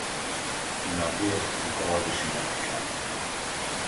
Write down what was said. Bhí mé buíoch an Garda sin a fheiceáil.